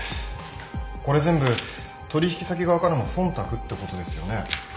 これ全部取引先側からの忖度ってことですよね。